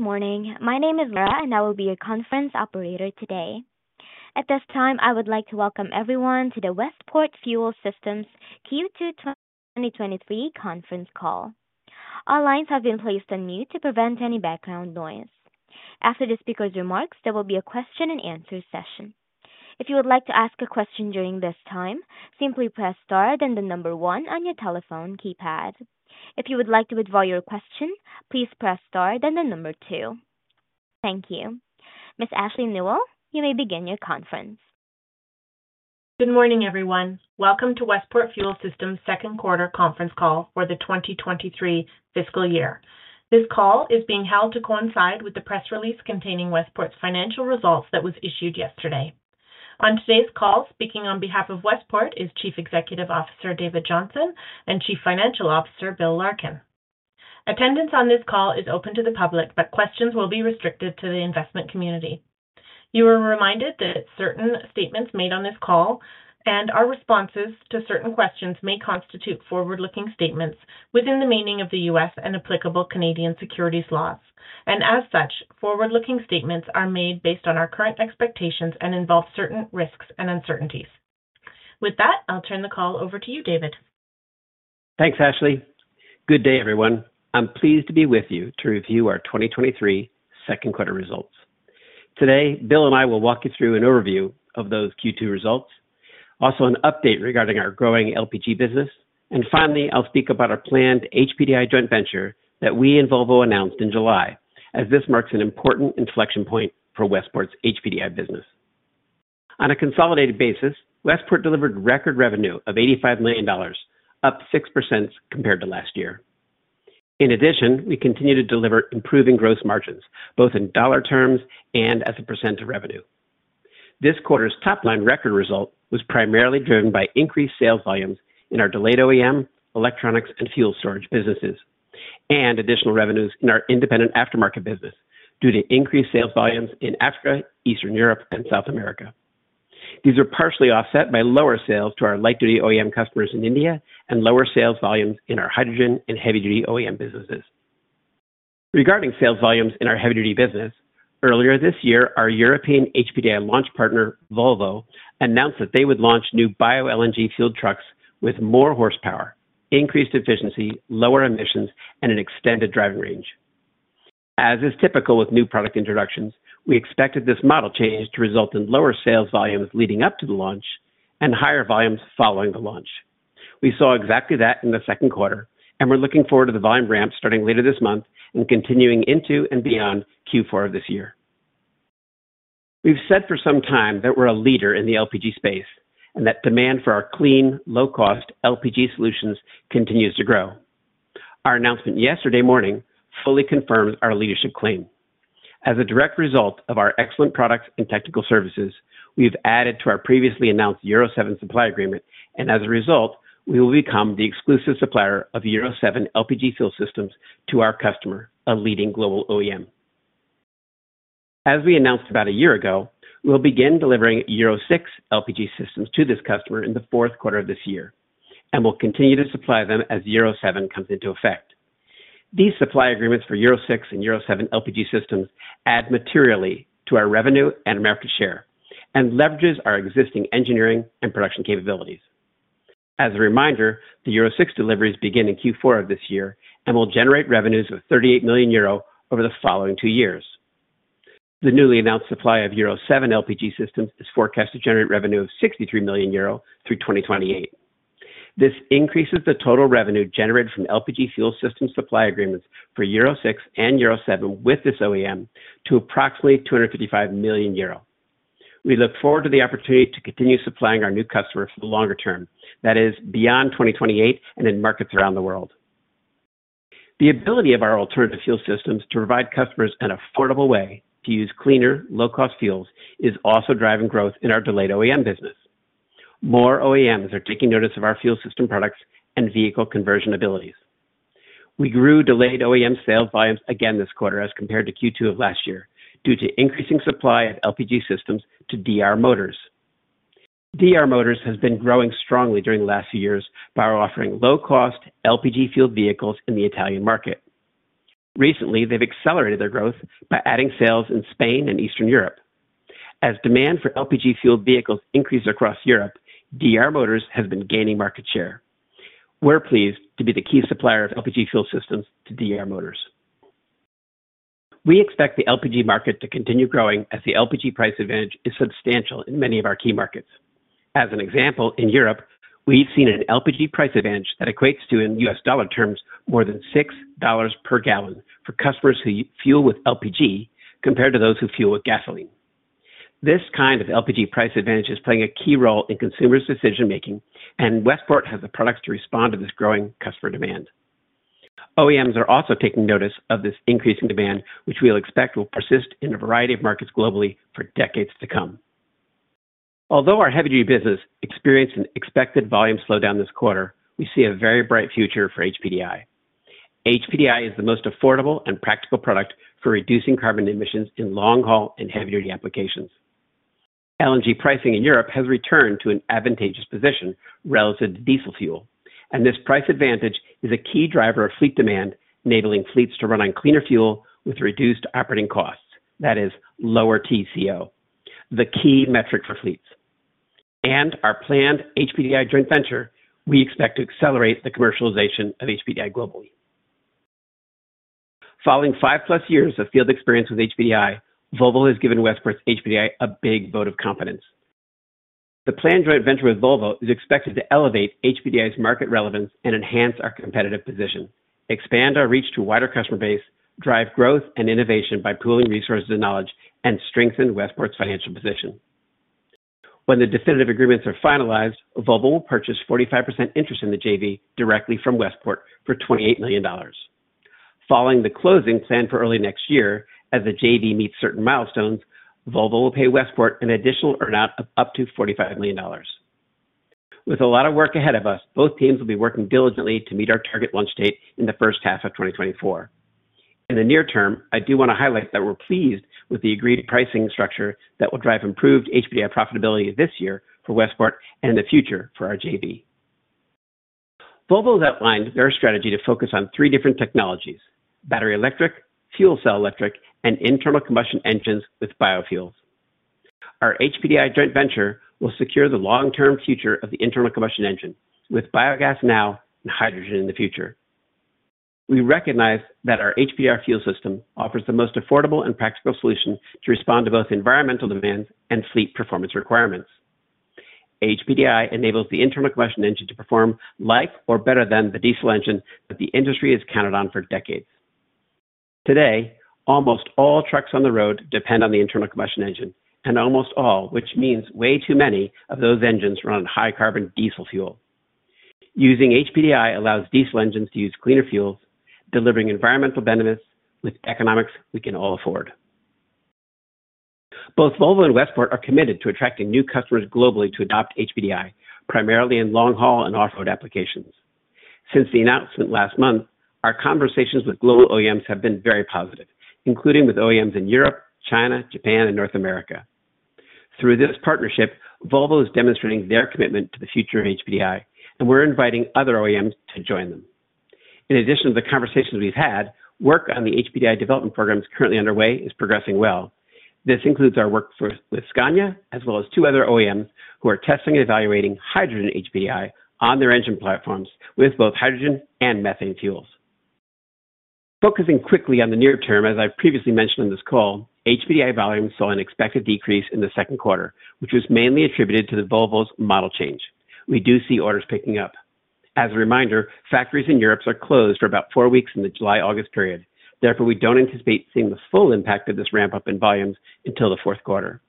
Good morning. My name is Laura, and I will be your conference operator today. At this time, I would like to welcome everyone to the Westport Fuel Systems Q2 2023 conference call. Our lines have been placed on mute to prevent any background noise. After the speaker's remarks, there will be a question and answer session. If you would like to ask a question during this time, simply press star then the number one on your telephone keypad. If you would like to withdraw your question, please press star, then the number two. Thank you. Ms. Ashley Nuell, you may begin your conference. Good morning, everyone. Welcome to Westport Fuel Systems second quarter conference call for the 2023 fiscal year. This call is being held to coincide with the press release containing Westport's financial results that was issued yesterday. On today's call, speaking on behalf of Westport is Chief Executive Officer, David Johnson, and Chief Financial Officer, Bill Larkin. Attendance on this call is open to the public, but questions will be restricted to the investment community. You are reminded that certain statements made on this call and our responses to certain questions may constitute forward-looking statements within the meaning of the U.S. and applicable Canadian securities laws. As such, forward-looking statements are made based on our current expectations and involve certain risks and uncertainties. With that, I'll turn the call over to you, David. Thanks, Ashley. Good day, everyone. I'm pleased to be with you to review our 2023 second quarter results. Today, Bill and I will walk you through an overview of those Q2 results, also an update regarding our growing LPG business. Finally, I'll speak about our planned HPDI joint venture that we and Volvo announced in July, as this marks an important inflection point for Westport's HPDI business. On a consolidated basis, Westport delivered record revenue of $85 million, up 6% compared to last year. In addition, we continue to deliver improving gross margins, both in dollar terms and as a percentage of revenue. This quarter's top-line record result was primarily driven by increased sales volumes in our delayed OEM, electronics, and fuel storage businesses, and additional revenues in our independent aftermarket business, due to increased sales volumes in Africa, Eastern Europe, and South America. These are partially offset by lower sales to our light-duty OEM customers in India and lower sales volumes in our hydrogen and heavy-duty OEM businesses. Regarding sales volumes in our heavy-duty business, earlier this year, our European HPDI launch partner, Volvo, announced that they would launch new Bio-LNG fueled trucks with more horsepower, increased efficiency, lower emissions, and an extended driving range. As is typical with new product introductions, we expected this model change to result in lower sales volumes leading up to the launch and higher volumes following the launch. We saw exactly that in the second quarter, and we're looking forward to the volume ramp starting later this month and continuing into and beyond Q4 of this year. We've said for some time that we're a leader in the LPG space and that demand for our clean, low-cost LPG solutions continues to grow. Our announcement yesterday morning fully confirms our leadership claim. As a direct result of our excellent products and technical services, we've added to our previously announced Euro 7 supply agreement, and as a result, we will become the exclusive supplier of Euro 7 LPG fuel systems to our customer, a leading global OEM. As we announced about a year ago, we'll begin delivering Euro 6 LPG systems to this customer in the fourth quarter of this year, and we'll continue to supply them as Euro 7 comes into effect. These supply agreements for Euro 6 and Euro 7 LPG systems add materially to our revenue and market share and leverages our existing engineering and production capabilities. As a reminder, the Euro 6 deliveries begin in Q4 of this year and will generate revenues of 38 million euro over the following two years. The newly announced supply of Euro 7 LPG systems is forecast to generate revenue of 63 million euro through 2028. This increases the total revenue generated from LPG fuel systems supply agreements for Euro 6 and Euro 7 with this OEM to approximately 255 million euro. We look forward to the opportunity to continue supplying our new customer for the longer term, that is, beyond 2028 and in markets around the world. The ability of our alternative fuel systems to provide customers an affordable way to use cleaner, low-cost fuels is also driving growth in our delayed OEM business. More OEMs are taking notice of our fuel system products and vehicle conversion abilities. We grew delayed OEM sales volumes again this quarter as compared to Q2 of last year, due to increasing supply of LPG systems to DR Motors. DR Motors has been growing strongly during the last few years by offering low-cost, LPG-fueled vehicles in the Italian market. Recently, they've accelerated their growth by adding sales in Spain and Eastern Europe. As demand for LPG-fueled vehicles increases across Europe, DR Motors has been gaining market share. We're pleased to be the key supplier of LPG fuel systems to DR Motors. We expect the LPG market to continue growing as the LPG price advantage is substantial in many of our key markets. As an example, in Europe, we've seen an LPG price advantage that equates to, in U.S. dollar terms, more than $6 per gallon for customers who fuel with LPG compared to those who fuel with gasoline. This kind of LPG price advantage is playing a key role in consumers' decision making, and Westport has the products to respond to this growing customer demand. OEMs are also taking notice of this increase in demand, which we expect will persist in a variety of markets globally for decades to come. Although our heavy-duty business experienced an expected volume slowdown this quarter, we see a very bright future for HPDI. HPDI is the most affordable and practical product for reducing carbon emissions in long haul and heavy-duty applications. This price advantage is a key driver of fleet demand, enabling fleets to run on cleaner fuel with reduced operating costs. That is, lower TCO, the key metric for fleets. Our planned HPDI joint venture, we expect to accelerate the commercialization of HPDI globally. Following five-plus years of field experience with HPDI, Volvo has given Westport's HPDI a big vote of confidence. The planned joint venture with Volvo is expected to elevate HPDI's market relevance and enhance our competitive position, expand our reach to a wider customer base, drive growth and innovation by pooling resources and knowledge, and strengthen Westport's financial position. When the definitive agreements are finalized, Volvo will purchase 45% interest in the JV directly from Westport for $28 million. Following the closing planned for early next year, as the JV meets certain milestones, Volvo will pay Westport an additional earn-out of up to $45 million. With a lot of work ahead of us, both teams will be working diligently to meet our target launch date in the first half of 2024. In the near term, I do want to highlight that we're pleased with the agreed pricing structure that will drive improved HPDI profitability this year for Westport and the future for our JV. Volvo has outlined their strategy to focus on three different technologies: battery electric, fuel cell, electric, and internal combustion engines with biofuels. Our HPDI joint venture will secure the long-term future of the internal combustion engine with biogas now and hydrogen in the future. We recognize that our HPDI fuel system offers the most affordable and practical solution to respond to both environmental demands and fleet performance requirements. HPDI enables the internal combustion engine to perform like or better than the diesel engine that the industry has counted on for decades. Today, almost all trucks on the road depend on the internal combustion engine, and almost all, which means way too many of those engines, run high carbon diesel fuel. Using HPDI allows diesel engines to use cleaner fuels, delivering environmental benefits with economics we can all afford. Both Volvo and Westport are committed to attracting new customers globally to adopt HPDI, primarily in long-haul and off-road applications. Since the announcement last month, our conversations with global OEMs have been very positive, including with OEMs in Europe, China, Japan, and North America. Through this partnership, Volvo is demonstrating their commitment to the future of HPDI. We're inviting other OEMs to join them. In addition to the conversations we've had, work on the HPDI development programs currently underway is progressing well. This includes our work with Scania as well as two other OEMs who are testing and evaluating hydrogen HPDI on their engine platforms with both hydrogen and methane fuels. Focusing quickly on the near term, as I've previously mentioned in this call, HPDI volumes saw an expected decrease in the second quarter, which was mainly attributed to the Volvo's model change. We do see orders picking up. As a reminder, factories in Europe are closed for about four weeks in the July-August period. Therefore, we don't anticipate seeing the full impact of this ramp-up in volumes until the fourth quarter.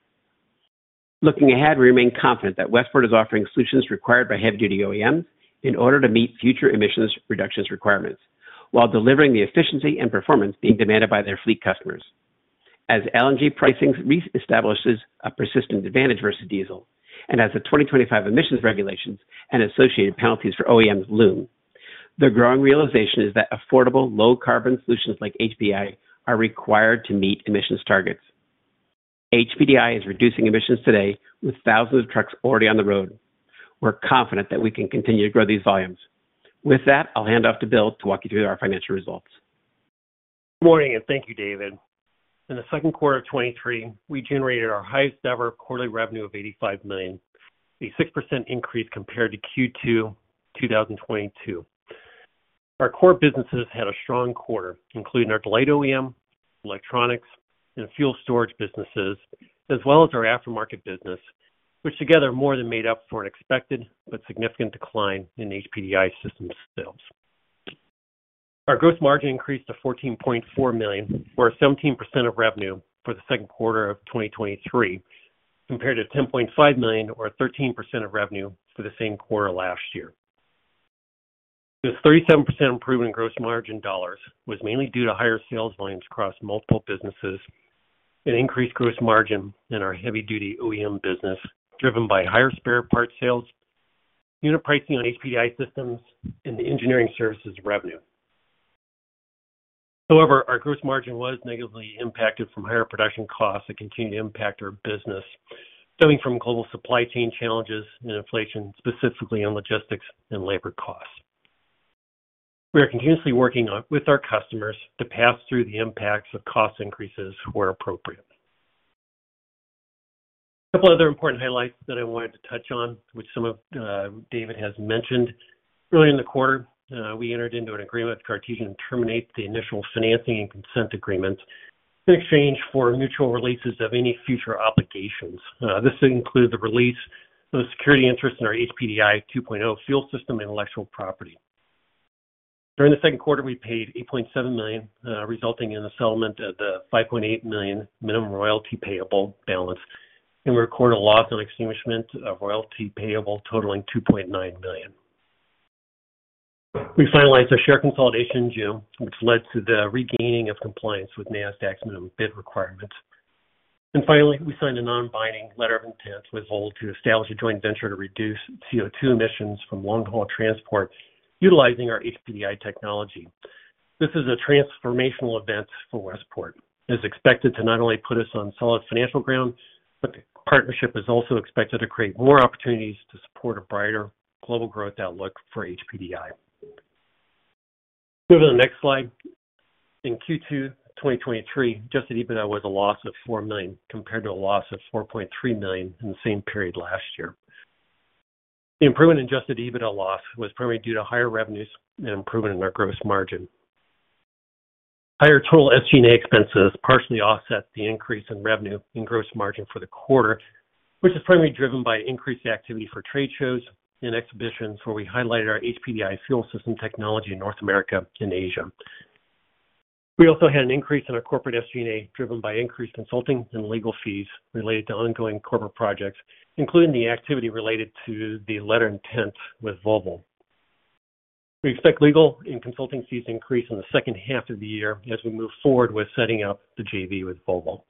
Looking ahead, we remain confident that Westport is offering solutions required by heavy-duty OEMs in order to meet future emissions reductions requirements, while delivering the efficiency and performance being demanded by their fleet customers. As LNG pricing reestablishes a persistent advantage versus diesel, and as the 2025 emissions regulations and associated penalties for OEMs loom, the growing realization is that affordable, low-carbon solutions like HPDI are required to meet emissions targets. HPDI is reducing emissions today with thousands of trucks already on the road. We're confident that we can continue to grow these volumes. With that, I'll hand off to Bill to walk you through our financial results. Good morning. Thank you, David. In the second quarter of 2023, we generated our highest-ever quarterly revenue of $85 million, a 6% increase compared to Q2 2022. Our core businesses had a strong quarter, including our light OEM, electronics, and fuel storage businesses, as well as our aftermarket business, which together more than made up for an expected but significant decline in HPDI systems sales. Our gross margin increased to $14.4 million, or 17% of revenue for the second quarter of 2023, compared to $10.5 million or 13% of revenue for the same quarter last year. This 37% improvement in gross margin dollars was mainly due to higher sales volumes across multiple businesses and increased gross margin in our heavy-duty OEM business, driven by higher spare parts sales, unit pricing on HPDI systems, and the engineering services revenue. Our gross margin was negatively impacted from higher production costs that continue to impact our business, stemming from global supply chain challenges and inflation, specifically on logistics and labor costs. We are continuously working on with our customers to pass through the impacts of cost increases where appropriate. A couple of other important highlights that I wanted to touch on, which some of David has mentioned. Early in the quarter, we entered into an agreement with Cartesian to terminate the initial financing and consent agreement in exchange for mutual releases of any future obligations. This included the release of the security interest in our HPDI 2.0 fuel system intellectual property. During the second quarter, we paid $8.7 million, resulting in a settlement of the $5.8 million minimum royalty payable balance, and we recorded a loss on extinguishment of royalty payable totaling $2.9 million. We finalized our share consolidation in June, which led to the regaining of compliance with Nasdaq's minimum bid requirements. Finally, we signed a non-binding letter of intent with Volvo to establish a joint venture to reduce CO2 emissions from long-haul transport utilizing our HPDI technology. This is a transformational event for Westport. It is expected to not only put us on solid financial ground, but the partnership is also expected to create more opportunities to support a brighter global growth outlook for HPDI. Move to the next slide. In Q2 2023, Adjusted EBITDA was a loss of $4 million, compared to a loss of $4.3 million in the same period last year. The improvement in Adjusted EBITDA loss was primarily due to higher revenues and improvement in our gross margin. Higher total SG&A expenses partially offset the increase in revenue and gross margin for the quarter, which is primarily driven by increased activity for trade shows and exhibitions, where we highlighted our HPDI fuel system technology in North America and Asia. We also had an increase in our corporate SG&A, driven by increased consulting and legal fees related to ongoing corporate projects, including the activity related to the letter intent with Volvo. We expect legal and consulting fees to increase in the second half of the year as we move forward with setting up the JV with Volvo.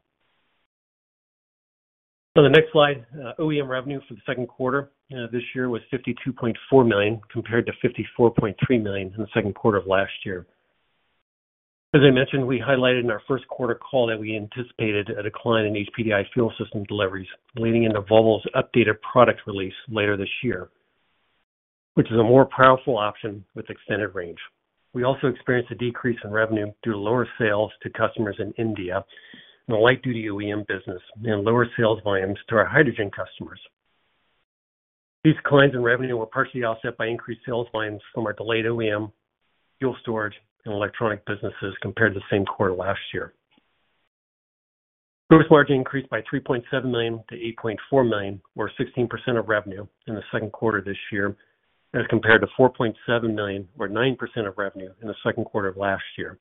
On the next slide, OEM revenue for the second quarter this year was $52.4 million, compared to $54.3 million in the second quarter of last year. As I mentioned, we highlighted in our first quarter call that we anticipated a decline in HPDI fuel system deliveries leading into Volvo's updated product release later this year, which is a more powerful option with extended range. We also experienced a decrease in revenue through lower sales to customers in India, in the light-duty OEM business, and lower sales volumes to our hydrogen customers. These declines in revenue were partially offset by increased sales volumes from our delayed OEM, fuel storage, and electronic businesses compared to the same quarter last year. Gross margin increased by $3.7 million to $8.4 million, or 16% of revenue in Q2 2023, as compared to $4.7 million, or 9% of revenue in Q2 2022.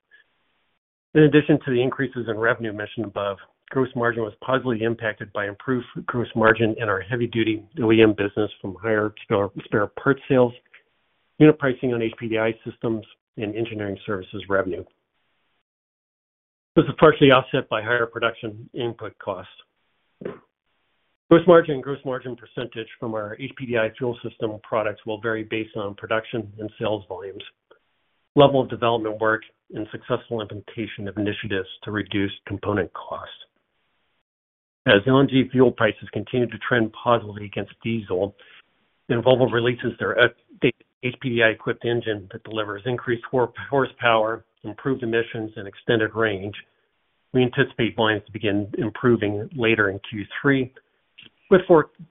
In addition to the increases in revenue mentioned above, gross margin was positively impacted by improved gross margin in our heavy-duty OEM business from higher spare parts sales, unit pricing on HPDI systems, and engineering services revenue. This is partially offset by higher production input costs. Gross margin percentage from our HPDI fuel system products will vary based on production and sales volumes, level of development work, and successful implementation of initiatives to reduce component costs. As LNG fuel prices continue to trend positively against diesel, and Volvo releases their updated HPDI-equipped engine that delivers increased horsepower, improved emissions, and extended range, we anticipate volumes to begin improving later in Q3, with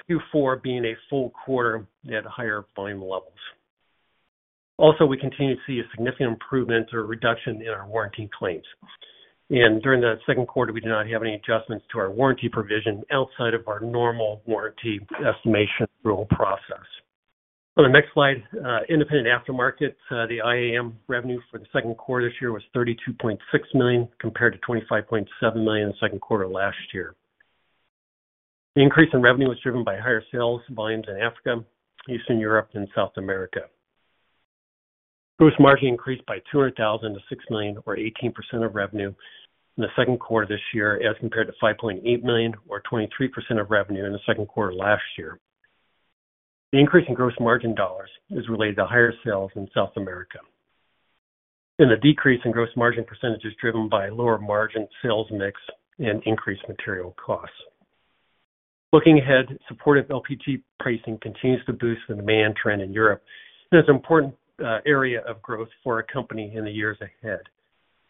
Q4 being a full quarter at higher volume levels. Also, we continue to see a significant improvement or reduction in our warranty claims. During the second quarter, we did not have any adjustments to our warranty provision outside of our normal warranty estimation rule process. On the next slide, independent aftermarket. The IAM revenue for the second quarter this year was $32.6 million, compared to $25.7 million in the second quarter last year. The increase in revenue was driven by higher sales volumes in Africa, Eastern Europe, and South America. Gross margin increased by $200,000 to $6 million, or 18% of revenue in the second quarter this year, as compared to $5.8 million, or 23% of revenue in the second quarter last year. The increase in gross margin dollars is related to higher sales in South America. The decrease in gross margin % is driven by lower margin sales mix and increased material costs. Looking ahead, supportive LPG pricing continues to boost the demand trend in Europe, and is an important area of growth for our company in the years ahead.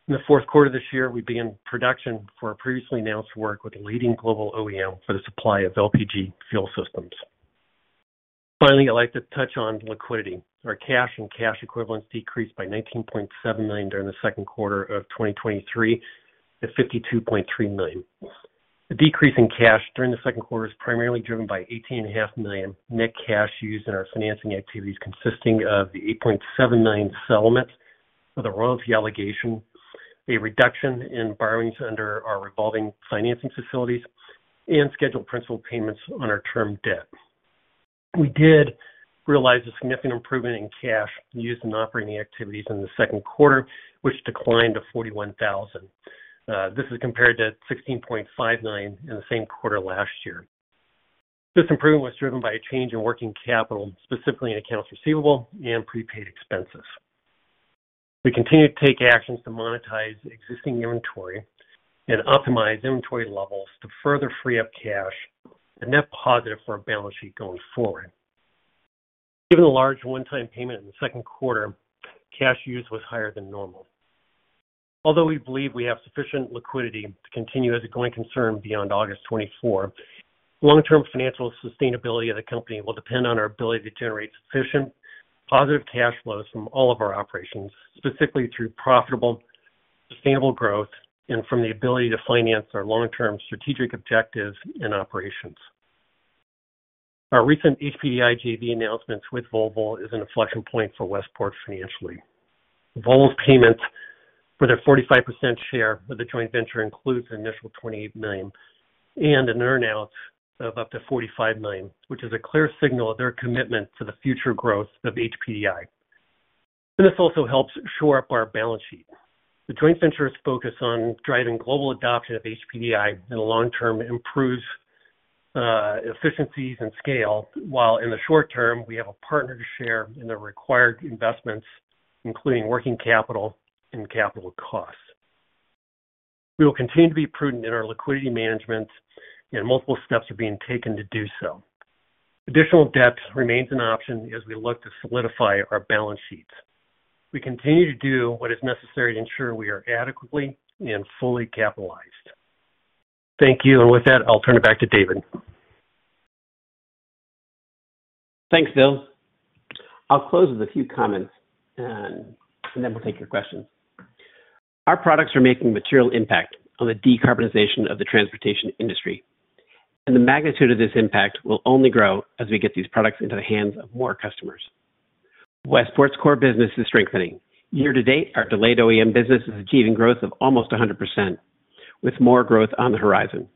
In the fourth quarter this year, we began production for our previously announced work with a leading global OEM for the supply of LPG fuel systems. Finally, I'd like to touch on liquidity. Our cash and cash equivalents decreased by $19.7 million during the second quarter of 2023 to $52.3 million. The decrease in cash during the second quarter is primarily driven by $18.5 million net cash used in our financing activities, consisting of the $8.7 million settlement for the royalty allegation, a reduction in borrowings under our revolving financing facilities, and scheduled principal payments on our term debt. We did realize a significant improvement in cash used in operating activities in the second quarter, which declined to $41,000. This is compared to $16.5 million in the same quarter last year. This improvement was driven by a change in working capital, specifically in accounts receivable and prepaid expenses. We continue to take actions to monetize existing inventory and optimize inventory levels to further free up cash and net positive for our balance sheet going forward. Given the large one-time payment in the second quarter, cash use was higher than normal. Although we believe we have sufficient liquidity to continue as a going concern beyond August 2024, long-term financial sustainability of the company will depend on our ability to generate sufficient positive cash flows from all of our operations, specifically through profitable, sustainable growth and from the ability to finance our long-term strategic objectives and operations. Our recent HPDI JV announcements with Volvo is an inflection point for Westport financially. Volvo's payments for their 45% share of the joint venture includes an initial $28 million and an earn-out of up to $45 million, which is a clear signal of their commitment to the future growth of HPDI. This also helps shore up our balance sheet. The joint venture's focus on driving global adoption of HPDI in the long term improves efficiencies and scale, while in the short term, we have a partner to share in the required investments, including working capital and capital costs. We will continue to be prudent in our liquidity management, and multiple steps are being taken to do so. Additional debt remains an option as we look to solidify our balance sheets. We continue to do what is necessary to ensure we are adequately and fully capitalized. Thank you. With that, I'll turn it back to David. Thanks, Bill. I'll close with a few comments, and then we'll take your questions. Our products are making material impact on the decarbonization of the transportation industry. The magnitude of this impact will only grow as we get these products into the hands of more customers. Westport's core business is strengthening. Year to date, our delayed OEM business is achieving growth of almost 100%, with more growth on the horizon.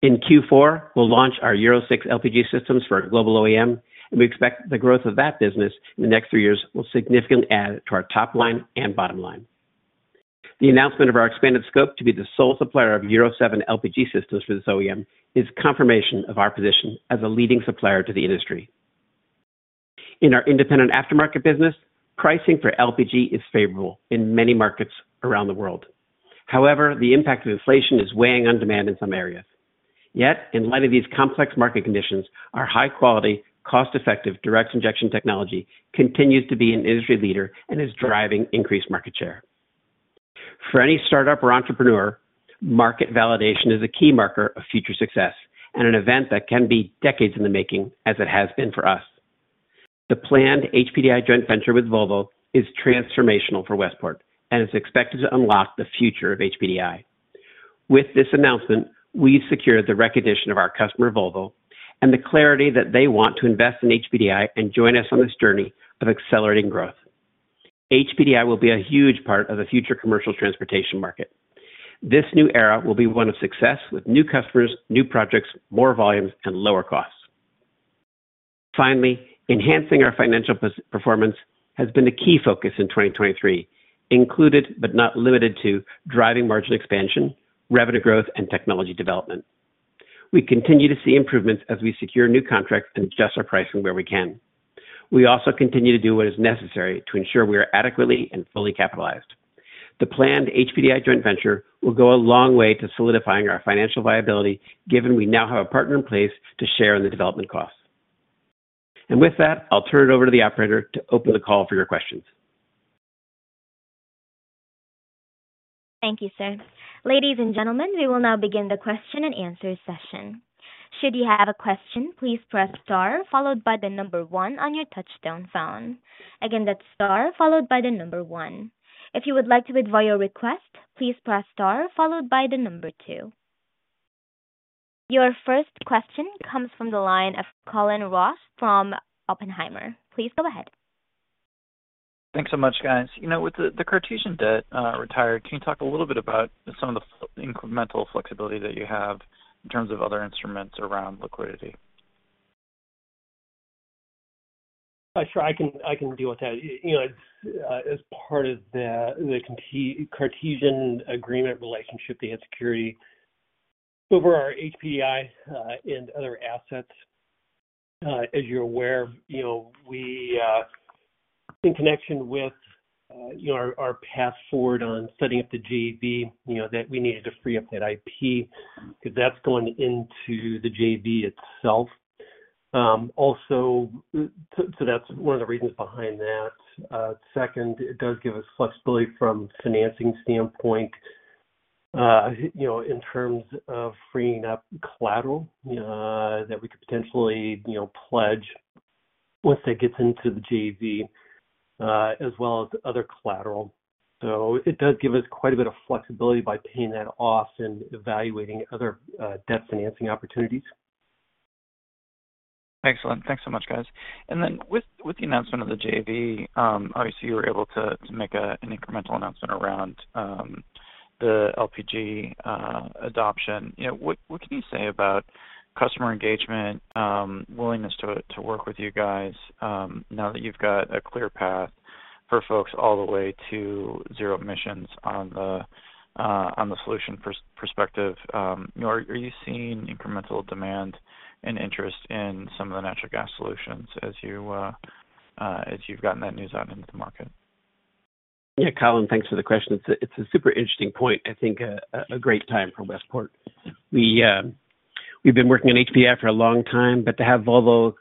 In Q4, we'll launch our Euro 6 LPG systems for a global OEM, and we expect the growth of that business in the next three years will significantly add to our top line and bottom line. The announcement of our expanded scope to be the sole supplier of Euro 7 LPG systems for this OEM is confirmation of our position as a leading supplier to the industry. In our independent aftermarket business, pricing for LPG is favorable in many markets around the world. However, the impact of inflation is weighing on demand in some areas. Yet, in light of these complex market conditions, our high quality, cost-effective, direct injection technology continues to be an industry leader and is driving increased market share. For any startup or entrepreneur, market validation is a key marker of future success and an event that can be decades in the making, as it has been for us. The planned HPDI joint venture with Volvo is transformational for Westport and is expected to unlock the future of HPDI. With this announcement, we've secured the recognition of our customer, Volvo, and the clarity that they want to invest in HPDI and join us on this journey of accelerating growth. HPDI will be a huge part of the future commercial transportation market. This new era will be one of success with new customers, new projects, more volumes, and lower costs. Finally, enhancing our financial performance has been a key focus in 2023, included but not limited to driving margin expansion, revenue growth, and technology development. We continue to see improvements as we secure new contracts and adjust our pricing where we can. We also continue to do what is necessary to ensure we are adequately and fully capitalized. The planned HPDI joint venture will go a long way to solidifying our financial viability, given we now have a partner in place to share in the development costs. With that, I'll turn it over to the operator to open the call for your questions. Thank you, sir. Ladies and gentlemen, we will now begin the question-and-answer session. Should you have a question, please press star followed by the number one on your touch-tone phone. Again, that's star followed by the number one. If you would like to withdraw your request, please press star followed by the number two. Your first question comes from the line of Colin Rusch from Oppenheimer. Please go ahead. Thanks so much, guys. You know, with the Cartesian debt, retired, can you talk a little bit about some of the incremental flexibility that you have in terms of other instruments around liquidity? Sure. I can, I can deal with that. You know, as part of the Cartesian agreement relationship, they had security over our HPDI and other assets. As you're aware, you know, we, in connection with, you know, our, our path forward on setting up the JV, you know, that we needed to free up that IP because that's going into the JV itself. Also, that's one of the reasons behind that. Second, it does give us flexibility from a financing standpoint, you know, in terms of freeing up collateral, that we could potentially, you know, pledge once that gets into the JV, as well as other collateral. It does give us quite a bit of flexibility by paying that off and evaluating other debt financing opportunities. Excellent. Thanks so much, guys. Then with, with the announcement of the JV, obviously, you were able to, to make an incremental announcement around the LPG adoption. You know, what can you say about customer engagement, willingness to work with you guys, now that you've got a clear path for folks all the way to zero emissions on the solution perspective, are you seeing incremental demand and interest in some of the natural gas solutions as you, as you've gotten that news out into the market? Yeah Colin, thanks for the question. It's a super interesting point. I think a great time for Westport. We've been working on HPDI for a long time, but to have Volvo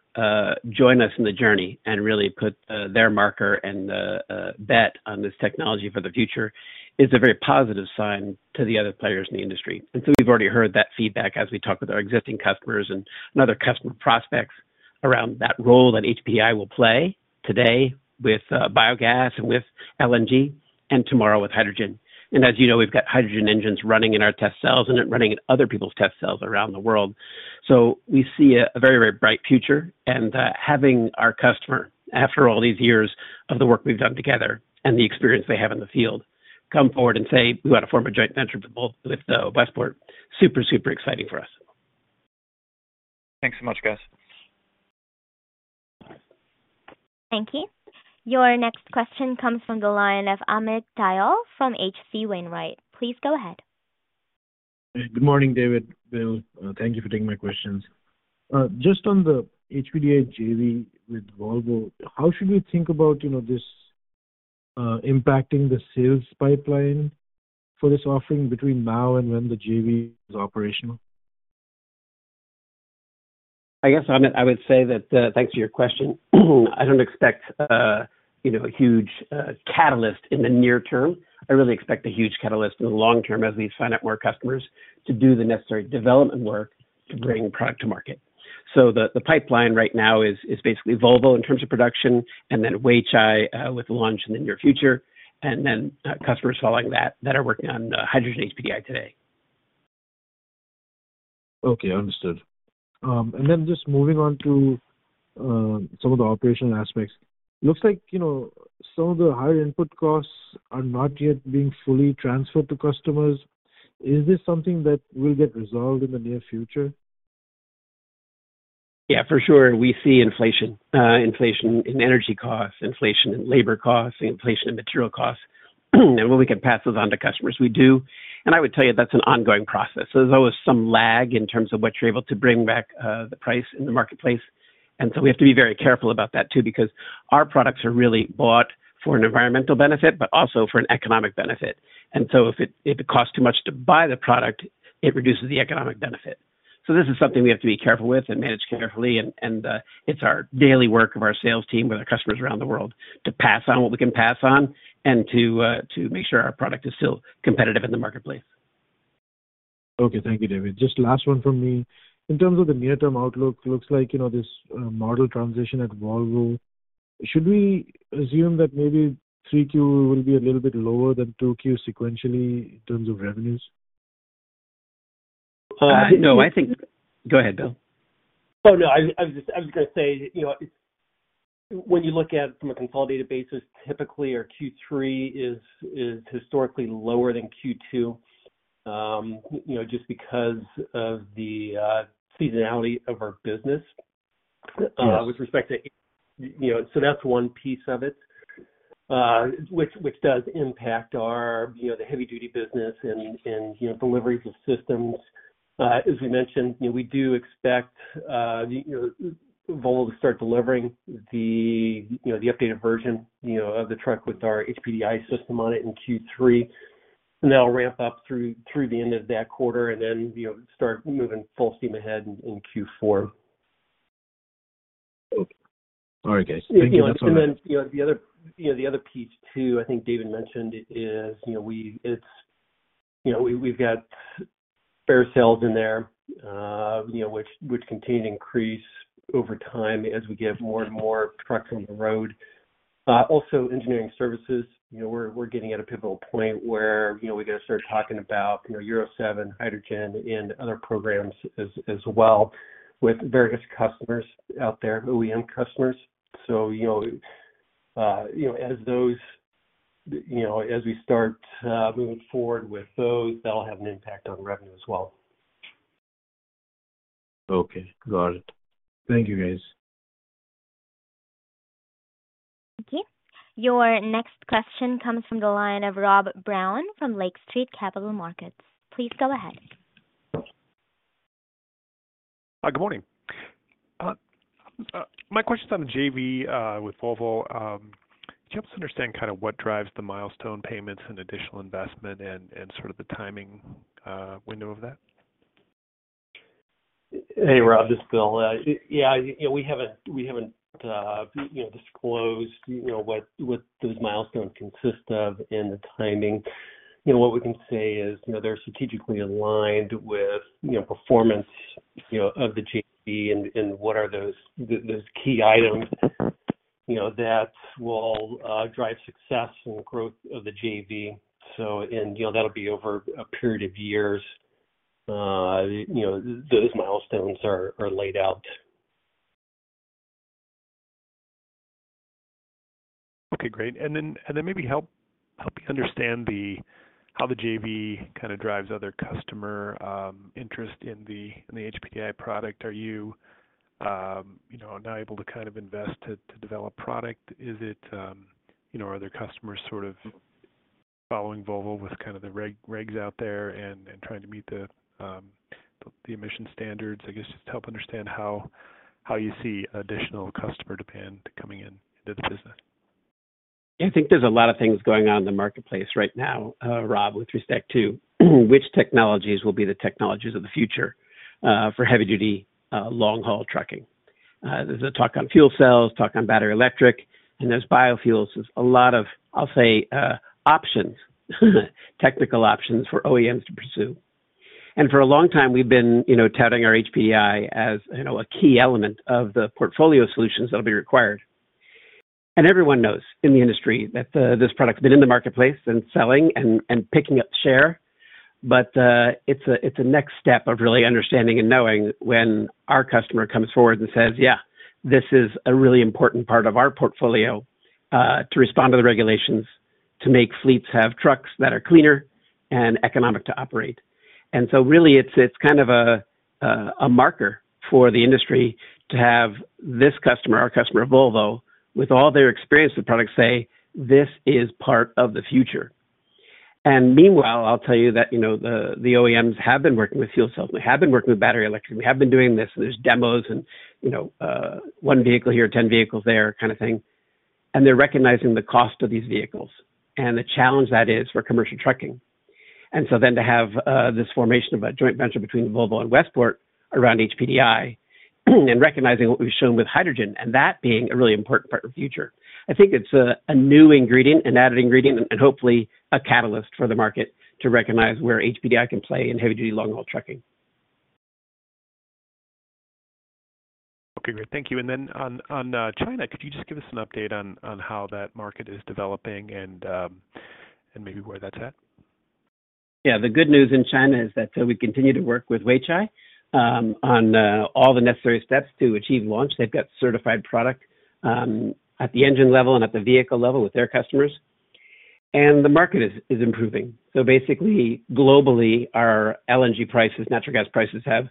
join us in the journey and really put their marker and the bet on this technology for the future is a very positive sign to the other players in the industry. So we've already heard that feedback as we talk with our existing customers and other customer prospects around that role that HPDI will play today with biogas and with LNG, and tomorrow with hydrogen. As you know, we've got hydrogen engines running in our test cells and running in other people's test cells around the world. We see a, a very, very bright future and, having our customer, after all these years of the work we've done together and the experience they have in the field, come forward and say, "We want to form a joint venture with Volvo, with Westport," super, super exciting for us. Thanks so much, guys. Thank you. Your next question comes from the line of Amit Dayal from HC Wainwright. Please go ahead. Good morning, David. Bill. Thank you for taking my questions. Just on the HPDI JV with Volvo, how should we think about, you know, this, impacting the sales pipeline for this offering between now and when the JV is operational? I guess, Amit, I would say that, thanks for your question. I don't expect, you know, a huge catalyst in the near term. I really expect a huge catalyst in the long term as we sign up more customers to do the necessary development work to bring product to market. The, the pipeline right now is, is basically Volvo in terms of production and then Weichai with launch in the near future, and then customers following that, that are working on hydrogen HPDI today. Okay, understood. Just moving on to some of the operational aspects. Looks like, you know, some of the higher input costs are not yet being fully transferred to customers. Is this something that will get resolved in the near future? Yeah, for sure. We see inflation, inflation in energy costs, inflation in labor costs, inflation in material costs, and when we can pass those on to customers, we do. I would tell you, that's an ongoing process. There's always some lag in terms of what you're able to bring back, the price in the marketplace, and so we have to be very careful about that too, because our products are really bought for an environmental benefit, but also for an economic benefit. If it, if it costs too much to buy the product, it reduces the economic benefit. This is something we have to be careful with and manage carefully, and, and, it's our daily work of our sales team with our customers around the world to pass on what we can pass on and to, to make sure our product is still competitive in the marketplace. Okay. Thank you, David. Just last one from me. In terms of the near-term outlook, looks like, you know, this model transition at Volvo, should we assume that maybe 3Q will be a little bit lower than 2Q sequentially in terms of revenues? No, I think... Go ahead, Bill. Oh, no, I, I was just, I was gonna say, you know, when you look at from a consolidated basis, typically our Q3 is, is historically lower than Q2. You know, just because of the seasonality of our business. Yes... with respect to, you know, so that's one piece of it, which, which does impact our, you know, the heavy duty business and, and, you know, deliveries of systems. As we mentioned, you know, we do expect, you know, Volvo to start delivering the, you know, the updated version, you know, of the truck with our HPDI system on it in Q3, and they'll ramp up through, through the end of that quarter and then, you know, start moving full steam ahead in, in Q4. Okay. All right, guys. Thank you much- You know, the other, you know, the other piece too, I think David mentioned, is, you know, we, it's, you know, we, we've got fair sales in there, you know, which, which continue to increase over time as we get more and more trucks on the road. Also, engineering services, you know, we're, we're getting at a pivotal point where, you know, we got to start talking about, you know, Euro 7 hydrogen, and other programs as, as well with various customers out there, OEM customers. You know, you know, as those, you know, as we start, moving forward with those, that'll have an impact on revenue as well. Okay. Got it. Thank you, guys. Thank you. Your next question comes from the line of Rob Brown from Lake Street Capital Markets. Please go ahead. Hi, good morning. My question is on the JV with Volvo. Can you help us understand kind of what drives the milestone payments and additional investment and sort of the timing window of that? Hey, Rob, this is Bill. Yeah, you know, we haven't, we haven't, you know, disclosed, you know, what, what those milestones consist of and the timing. You know, what we can say is, you know, they're strategically aligned with, you know, performance, you know, of the JV and, and what are those, the, those key items, you know, that will drive success and growth of the JV. You know, that'll be over a period of years. You know, those milestones are, are laid out. Okay, great. Then, and then maybe help, help me understand the, how the JV kind of drives other customer interest in the HPDI product? Are you, you know, now able to kind of invest to, to develop product? Is it, you know, are there customers sort of following Volvo with kind of the regs out there and, and trying to meet the emission standards? I guess just to help understand how, how you see additional customer demand coming in, into the business. I think there's a lot of things going on in the marketplace right now, Rob, with respect to which technologies will be the technologies of the future, for heavy-duty, long-haul trucking. There's a talk on fuel cells, talk on battery electric, and there's biofuels. There's a lot of, I'll say, options, technical options for OEMs to pursue. For a long time, we've been, you know, touting our HPDI as, you know, a key element of the portfolio solutions that will be required. Everyone knows in the industry that this product has been in the marketplace and selling and, and picking up share, but it's a, it's a next step of really understanding and knowing when our customer comes forward and says, "Yeah, this is a really important part of our portfolio, to respond to the regulations, to make fleets have trucks that are cleaner and economic to operate."... Really, it's, it's kind of a, a, a marker for the industry to have this customer, our customer, Volvo, with all their experience with products, say, this is part of the future. Meanwhile, I'll tell you that, you know, the, the OEMs have been working with fuel cells, they have been working with battery electric. We have been doing this, and there's demos and, you know, one vehicle here, ten vehicles there, kind of thing. They're recognizing the cost of these vehicles and the challenge that is for commercial trucking. To have this formation of a joint venture between Volvo and Westport around HPDI, and recognizing what we've shown with hydrogen, and that being a really important part of the future. I think it's a, a new ingredient, an added ingredient, and hopefully a catalyst for the market to recognize where HPDI can play in heavy-duty, long-haul trucking. Okay, great. Thank you. On, on China, could you just give us an update on, on how that market is developing and, and maybe where that's at? Yeah, the good news in China is that we continue to work with Weichai on all the necessary steps to achieve launch. They've got certified product at the engine level and at the vehicle level with their customers, and the market is improving. Basically, globally, our LNG prices, natural gas prices, have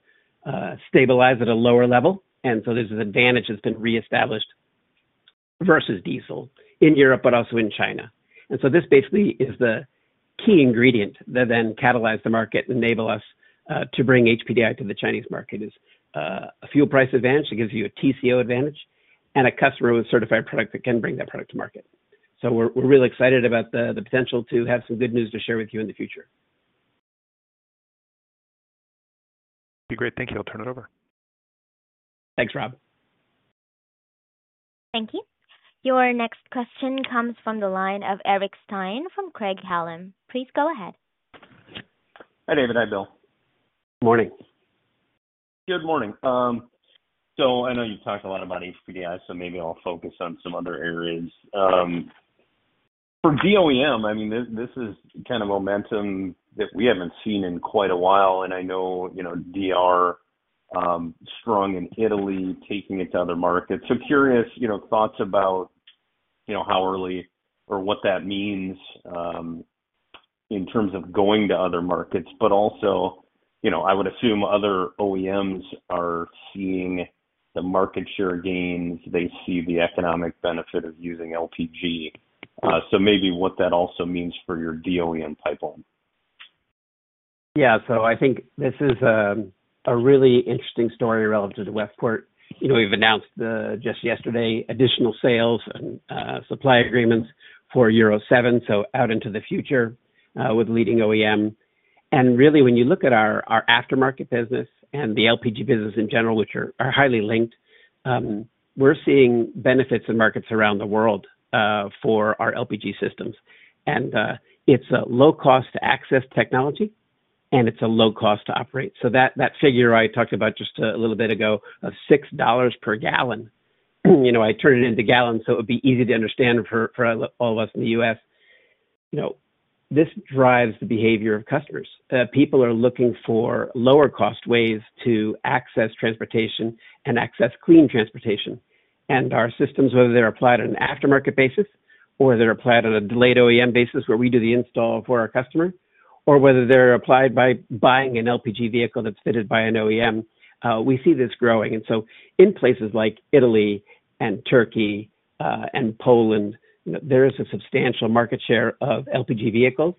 stabilized at a lower level, and so there's an advantage that's been reestablished versus diesel in Europe, but also in China. This basically is the key ingredient that then catalyze the market, enable us to bring HPDI to the Chinese market. Is a fuel price advantage, it gives you a TCO advantage, and a customer with certified product that can bring that product to market. We're really excited about the potential to have some good news to share with you in the future. Okay, great. Thank you. I'll turn it over. Thanks, Rob. Thank you. Your next question comes from the line of Eric Stein from Craig-Hallum. Please go ahead. Hi, David. Hi, Bill. Morning. Good morning. I know you've talked a lot about HPDI, so maybe I'll focus on some other areas. For DOEM, I mean, this, this is kind of momentum that we haven't seen in quite a while, and I know, you know, DR, strong in Italy, taking it to other markets. Curious, you know, thoughts about, you know, how early or what that means, in terms of going to other markets. Also, you know, I would assume other OEMs are seeing the market share gains, they see the economic benefit of using LPG, so maybe what that also means for your DOEM pipeline. Yeah, so I think this is, a really interesting story relevant to Westport. You know, we've announced, just yesterday, additional sales and, supply agreements for Euro 7, so out into the future, with leading OEM. Really, when you look at our, our aftermarket business and the LPG business in general, which are, are highly linked, we're seeing benefits in markets around the world, for our LPG systems. It's a low cost to access technology, and it's a low cost to operate. That, that figure I talked about just a little bit ago of $6 per gallon, you know, I turned it into gallons, so it would be easy to understand for, for all of us in the U.S. You know, this drives the behavior of customers. People are looking for lower-cost ways to access transportation and access clean transportation. Our systems, whether they're applied on an aftermarket basis, or they're applied on a delayed OEM basis, where we do the install for our customer, or whether they're applied by buying an LPG vehicle that's fitted by an OEM, we see this growing. In places like Italy and Turkey, and Poland, there is a substantial market share of LPG vehicles,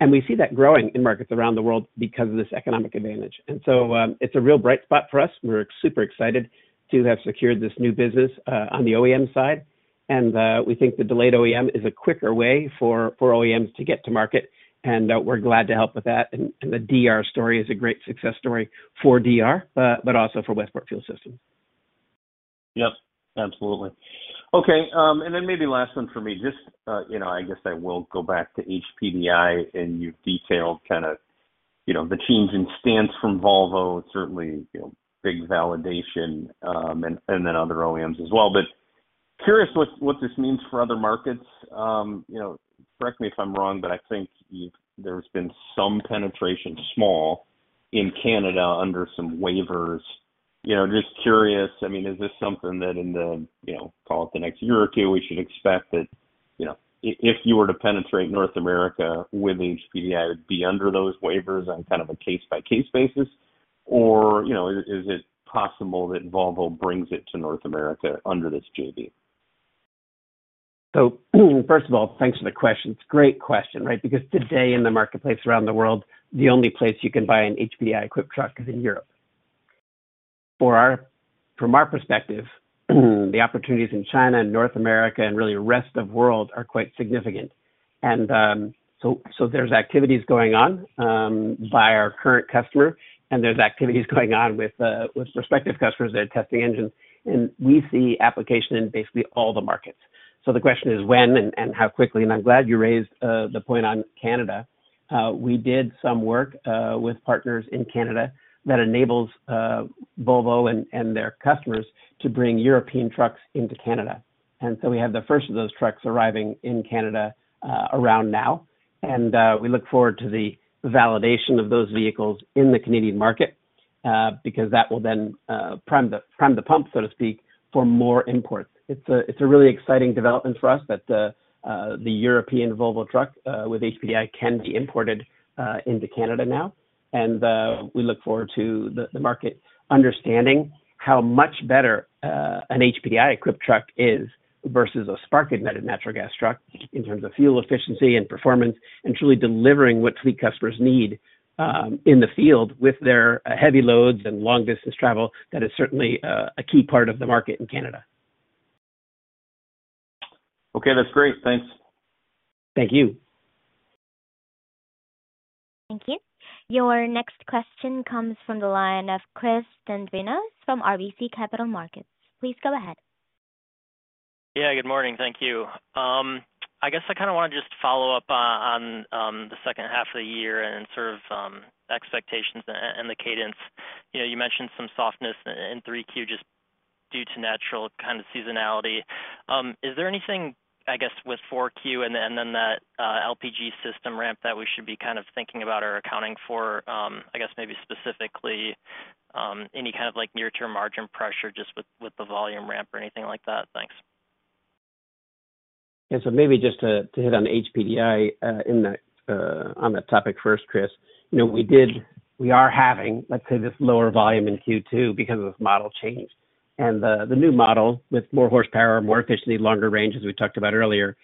and we see that growing in markets around the world because of this economic advantage. It's a real bright spot for us. We're super excited to have secured this new business on the OEM side, and we think the delayed OEM is a quicker way for, for OEMs to get to market, and we're glad to help with that. and the DR story is a great success story for DR, but also for Westport Fuel Systems. Yep, absolutely. Okay, then maybe last one for me. Just, you know, I guess I will go back to HPDI, you've detailed kind of, you know, the change in stance from Volvo. It's certainly, you know, big validation, then other OEMs as well. Curious what, what this means for other markets. You know, correct me if I'm wrong, I think there's been some penetration, small, in Canada under some waivers. You know, just curious, I mean, is this something that in the, you know, call it the next year or two, we should expect that, you know, if you were to penetrate North America with HPDI, it would be under those waivers on kind of a case-by-case basis? You know, is, is it possible that Volvo brings it to North America under this JV? First of all, thanks for the question. It's a great question, right? Because today, in the marketplace around the world, the only place you can buy an HPDI-equipped truck is in Europe. From our perspective, the opportunities in China and North America and really the rest of world are quite significant. There's activities going on by our current customer, and there's activities going on with prospective customers that are testing engines, and we see application in basically all the markets. The question is when and how quickly? I'm glad you raised the point on Canada. We did some work with partners in Canada that enables Volvo and their customers to bring European trucks into Canada. We have the first of those trucks arriving in Canada around now, and we look forward to the validation of those vehicles in the Canadian market. Because that will then prime the, prime the pump, so to speak, for more imports. It's a, it's a really exciting development for us that the European Volvo truck with HPDI can be imported into Canada now, and we look forward to the, the market understanding how much better an HPDI-equipped truck is versus a spark-ignited natural gas truck in terms of fuel efficiency and performance and truly delivering what fleet customers need in the field with their heavy loads and long-distance travel. That is certainly a, a key part of the market in Canada. Okay, that's great. Thanks. Thank you. Thank you. Your next question comes from the line of Chris Dendrinos from RBC Capital Markets. Please go ahead. Yeah, good morning. Thank you. I guess I kinda want to just follow up on, on, the second half of the year and sort of, expectations and the cadence. You know, you mentioned some softness in 3Q just due to natural kind of seasonality. Is there anything, I guess, with 4Q and then, then that, LPG system ramp that we should be kind of thinking about or accounting for, I guess maybe specifically, any kind of, like, near-term margin pressure just with, with the volume ramp or anything like that? Thanks. Yeah, maybe just to, to hit on HPDI on that topic first, Chris. You know, we are having, let's say, this lower volume in Q2 because of model change, and the new model with more horsepower, more efficiency, longer range, as we talked about earlier,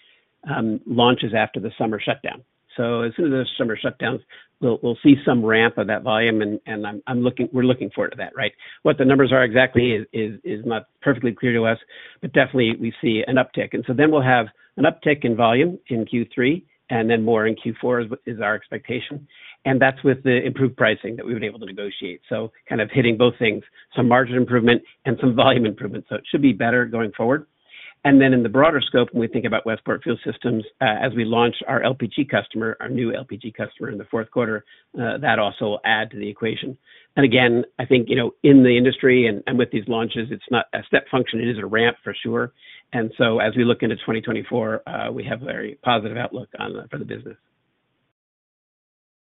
launches after the summer shutdown. As soon as the summer shutdowns, we'll see some ramp of that volume, and I'm looking... we're looking forward to that, right? What the numbers are exactly is not perfectly clear to us, but definitely we see an uptick. Then we'll have an uptick in volume in Q3, and then more in Q4 is our expectation, and that's with the improved pricing that we've been able to negotiate. Kind of hitting both things, some margin improvement and some volume improvement, so it should be better going forward. Then in the broader scope, when we think about Westport Fuel Systems as we launch our LPG customer, our new LPG customer in the fourth quarter, that also will add to the equation. Again, I think, you know, in the industry and, and with these launches, it's not a step function, it is a ramp for sure. As we look into 2024, we have a very positive outlook on the, for the business.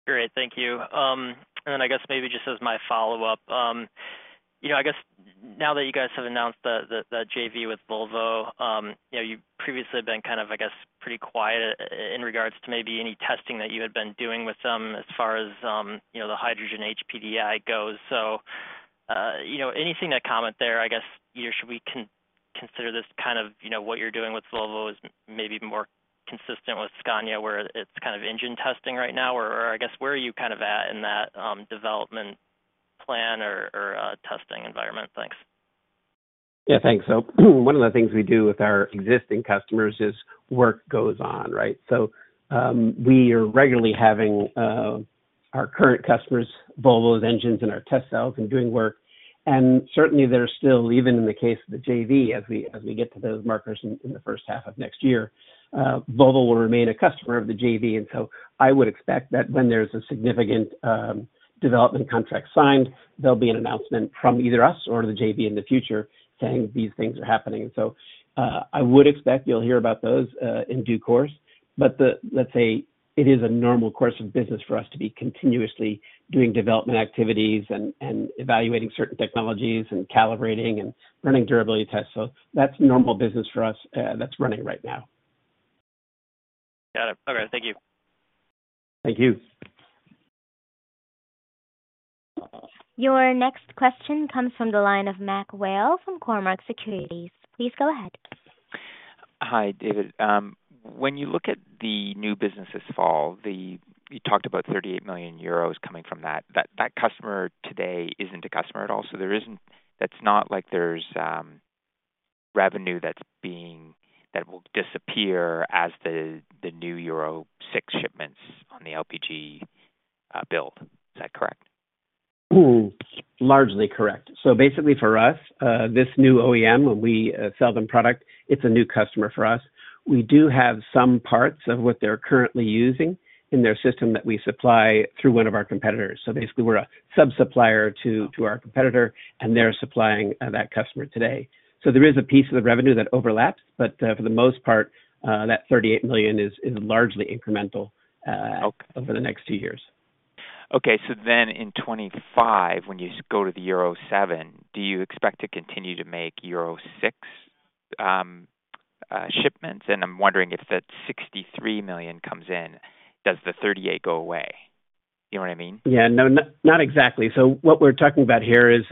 Great. Thank you. I guess maybe just as my follow-up, you know, I guess now that you guys have announced the, the, the JV with Volvo, you know, you've previously been kind of, I guess, pretty quiet in regards to maybe any testing that you had been doing with them as far as, you know, the hydrogen HPDI goes. You know, anything to comment there, I guess, should we consider this kind of, you know, what you're doing with Volvo is maybe more consistent with Scania, where it's kind of engine testing right now? Or, or I guess, where are you kind of at in that, development plan or, or, testing environment? Thanks. Yeah, thanks. One of the things we do with our existing customers is work goes on, right? We are regularly having our current customers, Volvo's engines in our test cells and doing work, and certainly there are still, even in the case of the JV, as we, as we get to those markers in the first half of next year, Volvo will remain a customer of the JV. I would expect that when there's a significant development contract signed, there'll be an announcement from either us or the JV in the future saying these things are happening. I would expect you'll hear about those in due course. But, let's say it is a normal course of business for us to be continuously doing development activities and evaluating certain technologies and calibrating and running durability tests. That's normal business for us, that's running right now. Got it. Okay. Thank you. Thank you. Your next question comes from the line of Mac Whale from Cormark Securities. Please go ahead. Hi, David. When you look at the new business this fall, the, you talked about 38 million euros coming from that. That, that customer today isn't a customer at all, so there isn't-- that's not like there's revenue that's being, that will disappear as the, the new Euro 6 shipments on the LPG build. Is that correct? Largely correct. Basically for us, this new OEM, when we sell them product, it's a new customer for us. We do have some parts of what they're currently using in their system that we supply through one of our competitors. Basically, we're a sub-supplier to, to our competitor, and they're supplying that customer today. There is a piece of the revenue that overlaps, but for the most part, that 38 million is largely incremental. Okay. Over the next two years. In 2025, when you go to the Euro 7, do you expect to continue to make Euro 6 shipments? I'm wondering if that 63 million comes in, does the 38 million go away? You know what I mean? Yeah. No, not, not exactly. So what we're talking about here is,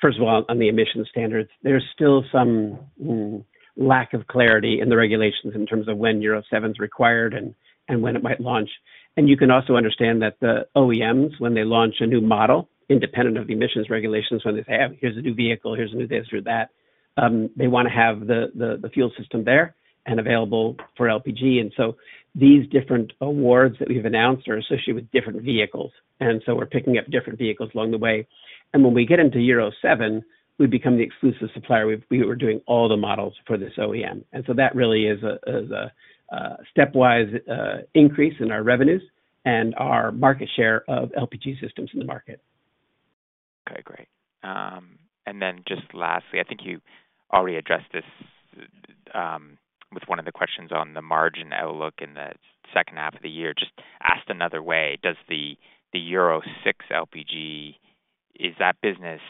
first of all, on the emissions standards, there's still some lack of clarity in the regulations in terms of when Euro 7 is required and when it might launch. You can also understand that the OEMs, when they launch a new model, independent of the emissions regulations, when they say, "Hey, here's a new vehicle, here's a new this or that," they wanna have the, the, the fuel system there and available for LPG. So these different awards that we've announced are associated with different vehicles, and so we're picking up different vehicles along the way. When we get into Euro 7, we become the exclusive supplier. We, we were doing all the models for this OEM, and so that really is a, is a, stepwise, increase in our revenues and our market share of LPG systems in the market. Okay, great. Just lastly, I think you already addressed this with one of the questions on the margin outlook in the second half of the year, just asked another way, does the, the Euro 6 LPG, is that business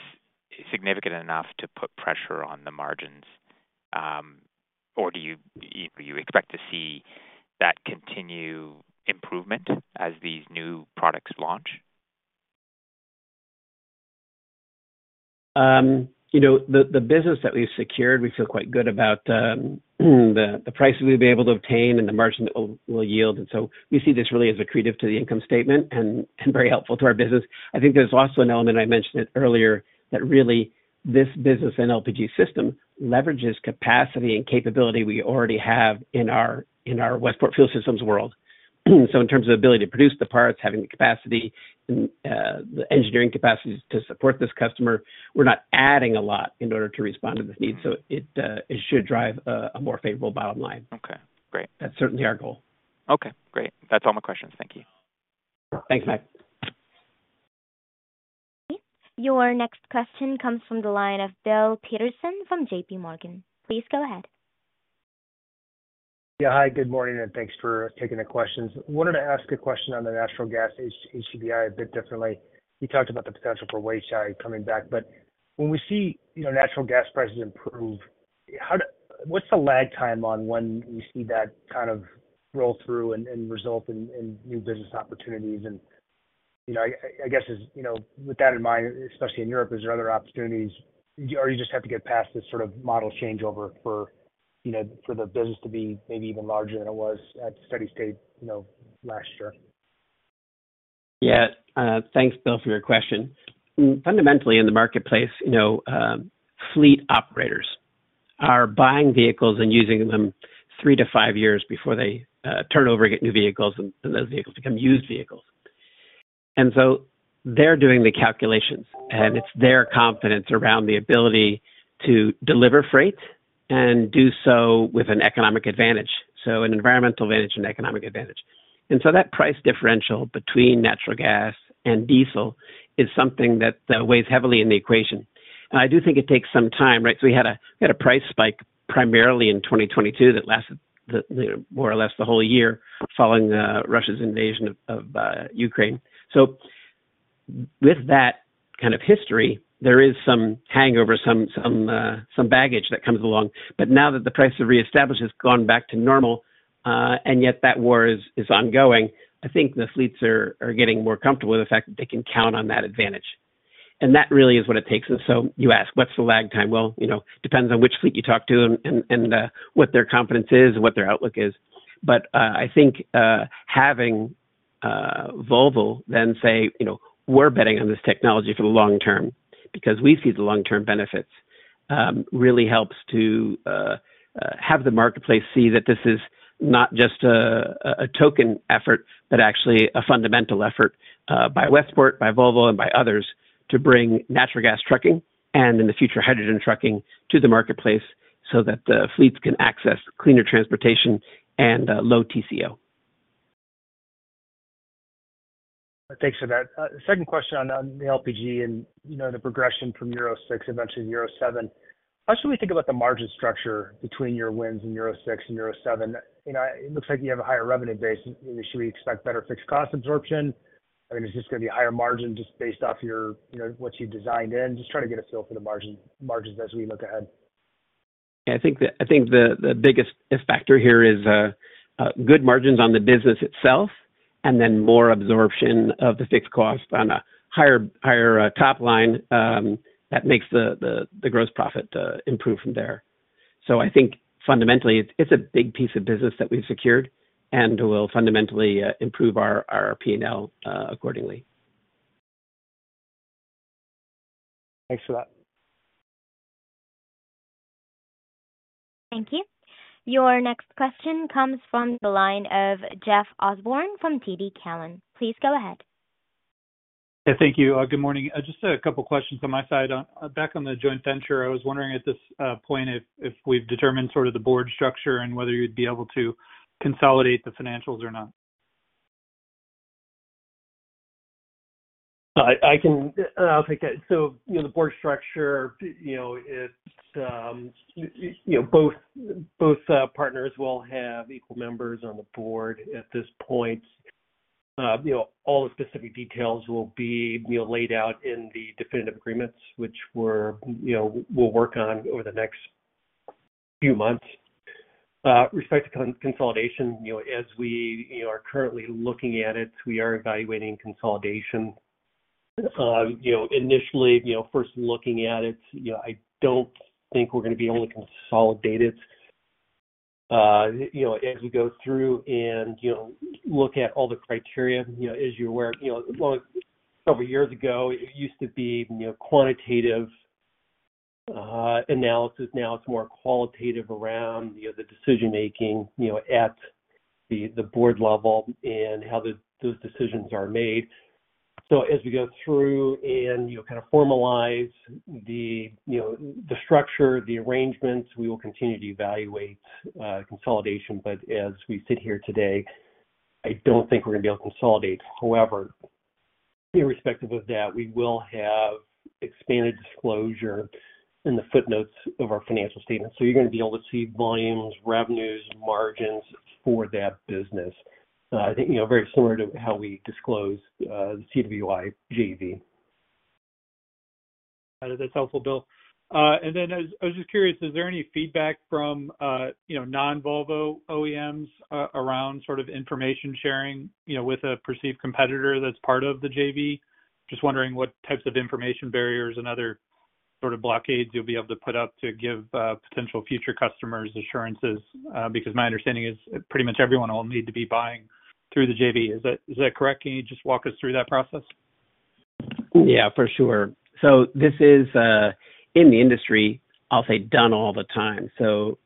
significant enough to put pressure on the margins? Do you, do you expect to see that continue improvement as these new products launch? you know, the, the business that we've secured, we feel quite good about, the, the price we'll be able to obtain and the margin it will yield. We see this really as accretive to the income statement and, and very helpful to our business. I think there's also an element, I mentioned it earlier, that really this business and LPG system leverages capacity and capability we already have in our, in our Westport Fuel Systems world. In terms of ability to produce the parts, having the capacity and, the engineering capacities to support this customer, we're not adding a lot in order to respond to this need. It, it should drive a, a more favorable bottom line. Okay, great. That's certainly our goal. Okay, great. That's all my questions. Thank you. Thanks, Mac. Your next question comes from the line of Bill Peterson from JPMorgan. Please go ahead. Yeah, hi, good morning, and thanks for taking the questions. I wanted to ask a question on the natural gas HPDI a bit differently. You talked about the potential for Weichai coming back, but when we see, you know, natural gas prices improve, what's the lag time on when we see that kind of roll through and result in new business opportunities? You know, I, I, I guess, you know, with that in mind, especially in Europe, is there other opportunities, or you just have to get past this sort of model changeover for, you know, for the business to be maybe even larger than it was at steady state, you know, last year? Yeah. Thanks, Bill, for your question. Fundamentally, in the marketplace, you know, fleet operators are buying vehicles and using them three to five years before they turn over and get new vehicles, and those vehicles become used vehicles. They're doing the calculations, and it's their confidence around the ability to deliver freight and do so with an economic advantage. An environmental advantage and economic advantage. That price differential between natural gas and diesel is something that, that weighs heavily in the equation. I do think it takes some time, right? We had a, we had a price spike primarily in 2022, that lasted the, more or less the whole year, following Russia's invasion of, of Ukraine. With that kind of history, there is some hangover, some, some baggage that comes along. Now that the price of reestablish has gone back to normal, and yet that war is ongoing, I think the fleets are getting more comfortable with the fact that they can count on that advantage. That really is what it takes. You ask, what's the lag time? Well, you know, depends on which fleet you talk to and what their confidence is and what their outlook is. I think having Volvo then say, "You know, we're betting on this technology for the long term, because we see the long-term benefits," really helps to have the marketplace see that this is not just a token effort, but actually a fundamental effort by Westport, by Volvo and by others to bring natural gas trucking and in the future, hydrogen trucking, to the marketplace so that the fleets can access cleaner transportation and low TCO. Thanks for that. The second question on, on the LPG and, you know, the progression from Euro 6, I mentioned Euro 7. How should we think about the margin structure between your wins and Euro 6 and Euro 7? You know, it looks like you have a higher revenue base. Should we expect better fixed cost absorption? I mean, is this going to be a higher margin just based off your, you know, what you designed in? Just trying to get a feel for the margin, margins as we look ahead. I think the, I think the, the biggest factor here is good margins on the business itself, and then more absorption of the fixed cost on a higher, higher top line, that makes the, the, the gross profit improve from there. I think fundamentally, it's, it's a big piece of business that we've secured and will fundamentally improve our, our P&L accordingly. Thanks for that. Thank you. Your next question comes from the line of Jeff Osborne from TD Cowen. Please go ahead. Yeah, thank you. Good morning. Just a couple questions on my side. Back on the joint venture, I was wondering at this point if we've determined sort of the board structure and whether you'd be able to consolidate the financials or not? I, I can, I'll take that. You know, the board structure, you know, it's, you know, both, both, partners will have equal members on the board at this point. You know, all the specific details will be, you know, laid out in the definitive agreements, which we're, you know, we'll work on over the next few months. Respect to con- consolidation, you know, as we, you know, are currently looking at it, we are evaluating consolidation. You know, initially, you know, first looking at it, you know, I don't think we're going to be only consolidated. You know, as you go through and, you know, look at all the criteria, you know, as you're aware, you know, well, several years ago, it used to be, you know, quantitative, analysis. Now it's more qualitative around, you know, the decision-making, you know, at the, the board level and how those, those decisions are made. As we go through and, you know, kind of formalize the, you know, the structure, the arrangements, we will continue to evaluate consolidation. As we sit here today, I don't think we're going to be able to consolidate. However. Irrespective of that, we will have expanded disclosure in the footnotes of our financial statements. You're going to be able to see volumes, revenues, margins for that business, you know, very similar to how we disclose the CWI JV. That's helpful, Bill. I, I was just curious, is there any feedback from, you know, non-Volvo OEMs around sort of information sharing, you know, with a perceived competitor that's part of the JV? Just wondering what types of information barriers and other sort of blockades you'll be able to put up to give potential future customers assurances, because my understanding is pretty much everyone will need to be buying through the JV. Is that, is that correct? Can you just walk us through that process? Yeah, for sure. This is in the industry, I'll say, done all the time.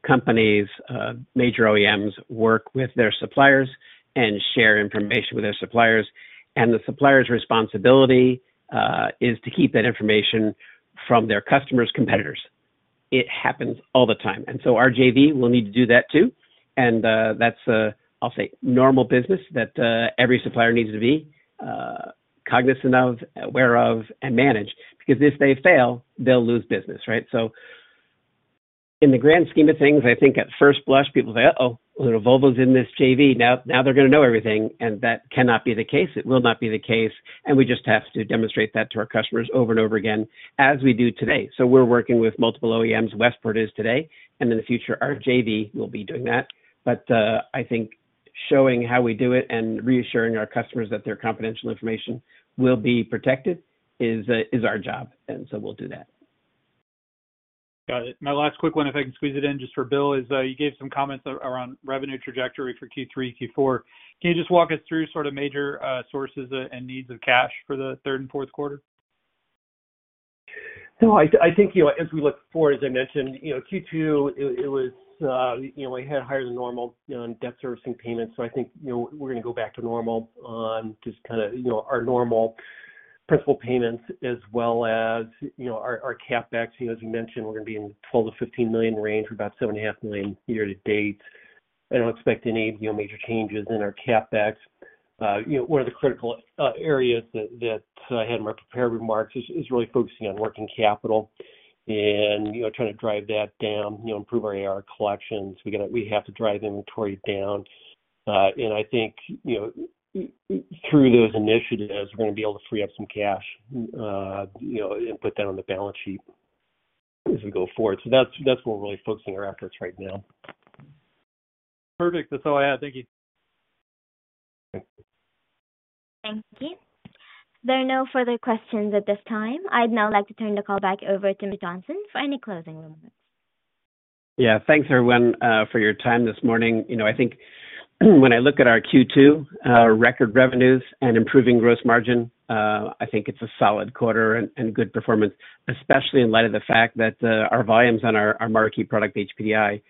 Companies, major OEMs work with their suppliers and share information with their suppliers, and the supplier's responsibility is to keep that information from their customers' competitors. It happens all the time. Our JV will need to do that too, and that's, I'll say, normal business that every supplier needs to be cognizant of, aware of, and manage. Because if they fail, they'll lose business, right? In the grand scheme of things, I think at first blush, people say, "Uh-oh, Volvo's in this JV. Now, now they're going to know everything," and that cannot be the case. It will not be the case, and we just have to demonstrate that to our customers over and over again, as we do today. We're working with multiple OEMs, Westport is today, and in the future, our JV will be doing that. I think showing how we do it and reassuring our customers that their confidential information will be protected is our job, and we'll do that. Got it. My last quick one, if I can squeeze it in just for Bill, is, you gave some comments around revenue trajectory for Q3, Q4. Can you just walk us through sort of major sources and needs of cash for the third and fourth quarter? I, I think, you know, as we look forward, as I mentioned, you know, Q2, it, it was, you know, we had higher than normal, you know, debt servicing payments. I think, you know, we're gonna go back to normal on just kind of, you know, our normal principal payments as well as, you know, our, our CapEx. You know, as you mentioned, we're gonna be in $12 million-$15 million range for about $7.5 million year to date. I don't expect any, you know, major changes in our CapEx. You know, one of the critical areas that, that I had in my prepared remarks is, is really focusing on working capital and, you know, trying to drive that down, you know, improve our AR collections. We have to drive inventory down. I think, you know, through those initiatives, we're gonna be able to free up some cash, you know, and put that on the balance sheet as we go forward. That's, that's what we're really focusing our efforts right now. Perfect. That's all I had. Thank you. Thank you. There are no further questions at this time. I'd now like to turn the call back over to David Johnson for any closing remarks. Yeah, thanks, everyone, for your time this morning. You know, I think when I look at our Q2 record revenues and improving gross margin, I think it's a solid quarter and, and good performance, especially in light of the fact that our volumes on our, our marquee product, HPDI,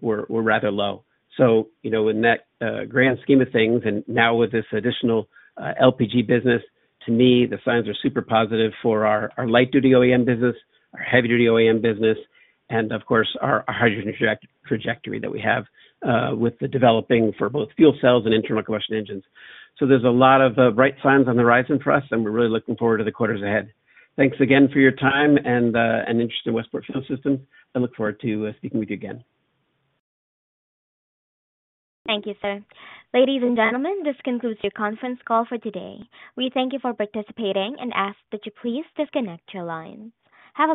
were, were rather low. You know, in that grand scheme of things, and now with this additional LPG business, to me, the signs are super positive for our, our light-duty OEM business, our heavy-duty OEM business, and of course, our hydrogen trajectory that we have with the developing for both fuel cells and internal combustion engines. There's a lot of bright signs on the horizon for us, and we're really looking forward to the quarters ahead. Thanks again for your time and interest in Westport Fuel Systems. I look forward to speaking with you again. Thank you, sir. Ladies and gentlemen, this concludes your conference call for today. We thank you for participating and ask that you please disconnect your lines. Have a lovely day.